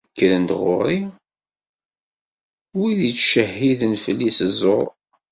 Kkren-d ɣur-i wid i d-ittcehhiden fell-i s ẓẓur.